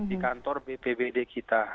di kantor bpbd kita